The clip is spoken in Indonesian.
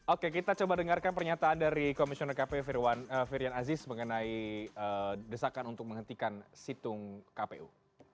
oke kita coba dengarkan pernyataan dari komisioner kpu firwan firian aziz mengenai desakan untuk menghentikan situng kpu